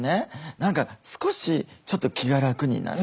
何か少しちょっと気が楽になった。